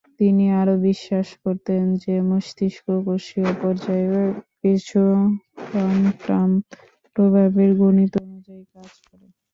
তিনি আরও বিশ্বাস করতেন যে মস্তিষ্ক কোষীয় পর্যায়ে, কিছু কোয়ান্টাম প্রভাবের গণিত অনুযায়ী কাজ করে।